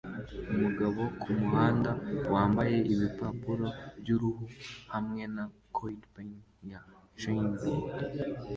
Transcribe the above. Umugabo kumuhanda wambaye ibipapuro byuruhu hamwe na codpiece ya chainmail